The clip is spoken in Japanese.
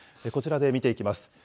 こちらで見ていきます。